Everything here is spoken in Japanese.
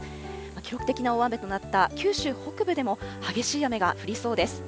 記録的な大雨となった九州北部でも、激しい雨が降りそうです。